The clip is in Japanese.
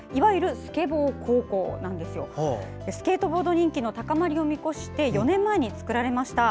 スケートボード人気の高まりを見越して４年前に作られました。